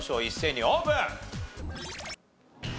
一斉にオープン！